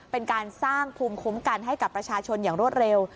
เป็นการสร้างภูมิคุ้มกันให้กับประชาชนอย่างรวดเร็ว